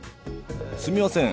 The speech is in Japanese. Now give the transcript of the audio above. すみません。